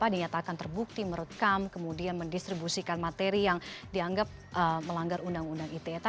dinyatakan terbukti merekam kemudian mendistribusikan materi yang dianggap melanggar undang undang ite